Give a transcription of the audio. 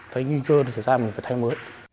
thấy nguy cơ nó xảy ra mình phải thay mới